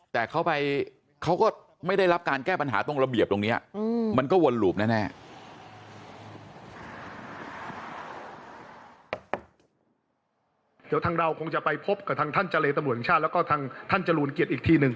แต่เขาไปเขาก็ไม่ได้รับการแก้ปัญหาตรงระเบียบตรงเนี่ย